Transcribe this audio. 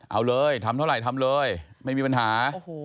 เอาเลยทำเท่าไหร่ทำเลยไม่มีปัญหา